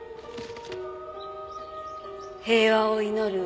平和を祈る